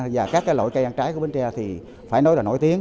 và các loại cây ăn trái của bến tre thì phải nói là nổi tiếng